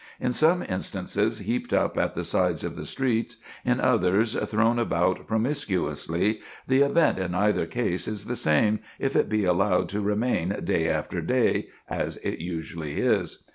In some instances heaped up at the sides of the streets, in others thrown about promiscuously, the event in either case is the same, if it be allowed to remain day after day, as it usually is.